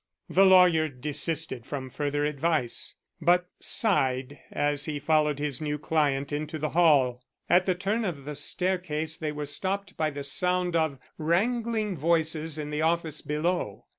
The lawyer desisted from further advice, but sighed as he followed his new client into the hall. At the turn of the staircase they were stopped by the sound of wrangling voices in the office below.